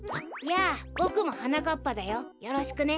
やあボクもはなかっぱだよよろしくね。